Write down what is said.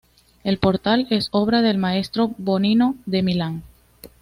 El portal es obra del maestro Bonino de Milán.